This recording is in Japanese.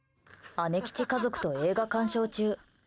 姉吉家族と映画鑑賞中。